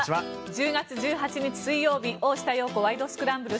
１０月１８日、水曜日「大下容子ワイド！スクランブル」。